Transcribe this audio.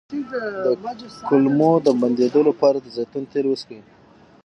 د کولمو د بندیدو لپاره د زیتون تېل وڅښئ